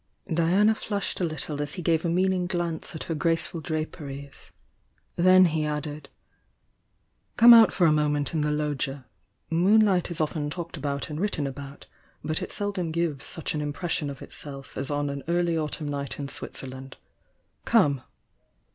Diana flushed .« little as he gave a meaning glance at her graceful Q aperies, — then he added: "Come out for a moment in the loggia, — moon light is often talked about and written about, *iut it seldom gives such an impression of itself as on an early autumn night in Switzerland. Come!"